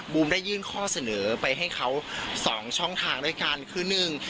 ได้ยื่นข้อเสนอไปให้เขาสองช่องทางด้วยกันคือหนึ่ง